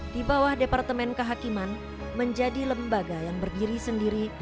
di bawah departemen kehakiman menjadi lembaga yang berdiri sendiri